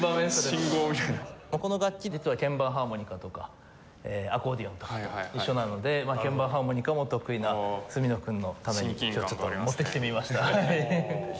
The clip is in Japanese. この楽器実は鍵盤ハーモニカとかアコーディオンとかと一緒なので鍵盤ハーモニカも得意な角野君のために今日ちょっと持ってきてみました。